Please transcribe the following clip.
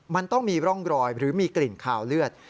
มันต้องมีร่องรอยหรือมีกลิ่นคาวเลือด